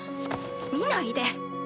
見ないで。